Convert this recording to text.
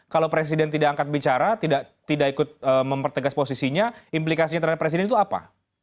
kalau presiden tidak angkat bicara tidak ikut mempertegas posisinya implikasinya terhadap presiden itu apa